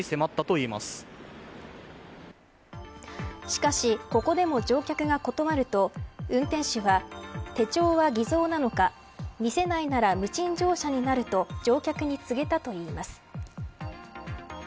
しかしここでも乗客が断ると運転手は、手帳は偽造なのか見せないなら無賃乗車になると乗客に告げたといいます。